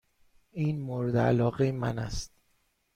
این مورد علاقه من است.